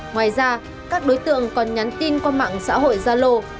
ngoài ra các đối tượng còn nhắn tin qua mạng xã hội gia lô